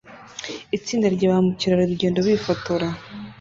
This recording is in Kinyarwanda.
Itsinda rya ba mukerarugendo bifotora